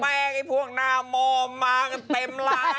แพทย์พวกน้ำมมมากเต็มล้านเลย